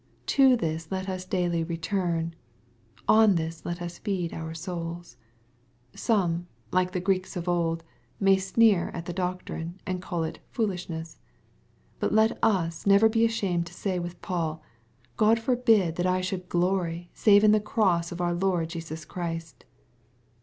y To this let us daily return. On this let us daily feed our souls. Some, like the Greeks of old, may sneer at the doctrine, and call it " foolishness/' But let us never be ashamed to say with Paul, " God forbid that I should glory save in the cross of our Lord Jesus Christ."